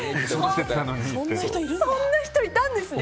そんな人いたんですね。